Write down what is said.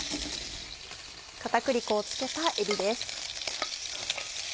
片栗粉をつけたえびです。